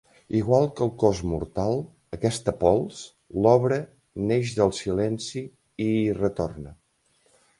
Igual que el cos mortal, aquesta pols, l'obra neix del silenci i hi retorna.